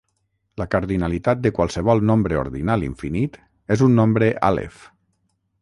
La cardinalitat de qualsevol nombre ordinal infinit és un nombre àlef.